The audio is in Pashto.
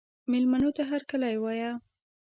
مېلمنو ته هرکلی وایه.